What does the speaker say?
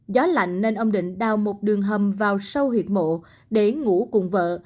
gió lạnh nên ông định đào một đường hầm vào sâu hiệp mộ để ngủ cùng vợ